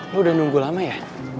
ini udah nunggu lama ya